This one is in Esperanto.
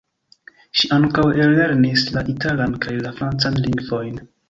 Ŝi ankaŭ ellernis la italan kaj la francan lingvojn.